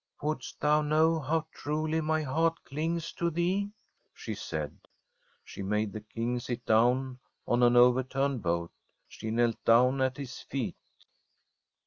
* Wouldest thou know how truly my heart clings to thee ?* she said. She made the King sit down on an overturned boat. She knelt down at his feet.